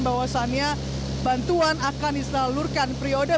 bahwasannya bantuan akan disalurkan